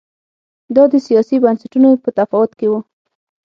دا د سیاسي بنسټونو په تفاوت کې و